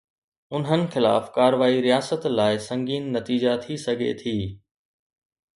انهن خلاف ڪارروائي رياست لاءِ سنگين نتيجا ٿي سگهي ٿي.